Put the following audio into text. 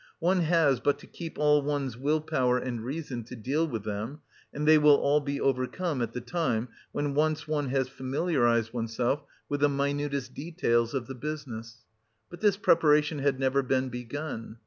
"One has but to keep all one's will power and reason to deal with them, and they will all be overcome at the time when once one has familiarised oneself with the minutest details of the business...." But this preparation had never been begun.